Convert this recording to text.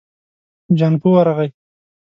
جانکو ورغی.